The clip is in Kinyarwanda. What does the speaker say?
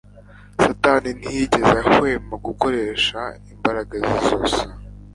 Satani ntiyigeze ahwema gukoresha imbaraga ze zose